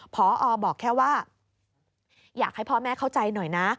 พอบอกแค่ว่าอยากให้พ่อแม่เข้าใจหน่อยนะ